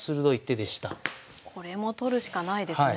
これも取るしかないですね。